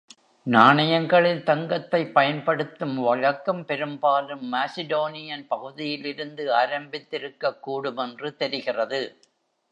நாணயங்களில் தங்கத்தை பயன்படுத்தும் வழக்கம் பெரும்பாலும் மாஸிடோனியன் பகுதியிலிருந்து ஆரம்பித்திருக்கக்கூடும் என்று தெரிகிறது.